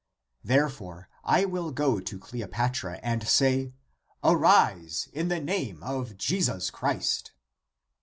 Therefore I will go to Cleopatra and say, Arise, in the name of Jesus Christ."